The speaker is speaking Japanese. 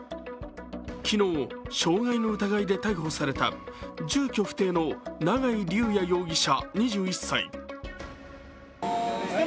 昨日、傷害の疑いで逮捕された住居不定の永井竜也容疑者２１歳。